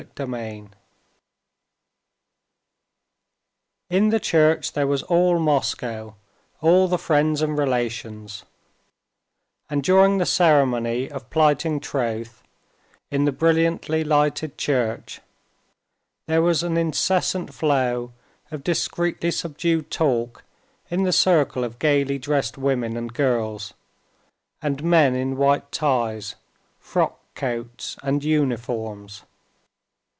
Chapter 5 In the church there was all Moscow, all the friends and relations; and during the ceremony of plighting troth, in the brilliantly lighted church, there was an incessant flow of discreetly subdued talk in the circle of gaily dressed women and girls, and men in white ties, frockcoats, and uniforms.